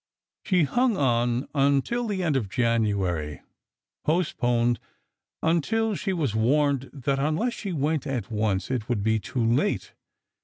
She hung on until the end of January—postponed until she was warned that unless she went at once, it would be too late.